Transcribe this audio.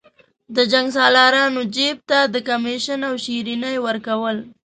د جنګسالارانو جیب ته د کمېشن او شریني ورکول.